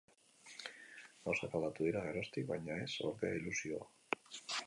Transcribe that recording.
Gauzak aldatu dira geroztik, baina ez, ordea, ilusioa.